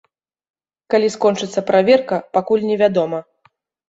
Калі скончыцца праверка, пакуль невядома.